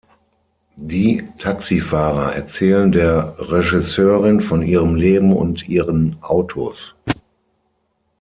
Die Taxifahrer erzählen der Regisseurin von ihrem Leben und ihren Autos.